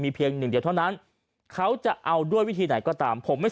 เพียงหนึ่งเดียวเท่านั้นเขาจะเอาด้วยวิธีไหนก็ตามผมไม่